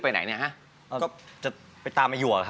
ฮิหยวก